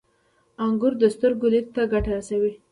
• انګور د سترګو لید ته ګټه رسوي.